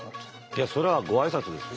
いやそれはご挨拶ですよ。